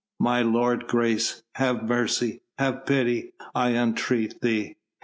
"My lord's grace, have mercy! have pity! I entreat thee!